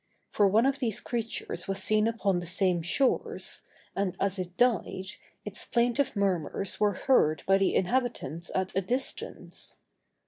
For one of these creatures was seen upon the same shores, and as it died, its plaintive murmurs were heard by the inhabitants at a distance.